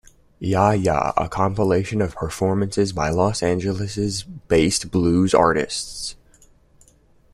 Ya Ya, a compilation of performances by Los Angeles-based blues artists.